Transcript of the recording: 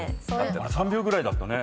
３秒ぐらいだったね。